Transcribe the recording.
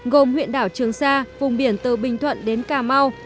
gồm huyện đảo trường sa vùng biển từ bình thuận đến cà mau